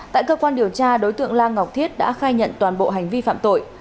tại cơ quan điều tra đối tượng lan ngọc thiết đã khai nhận toàn bộ hành vi phạm tội